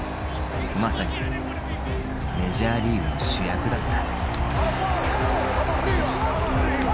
まさにメジャーリーグの主役だった。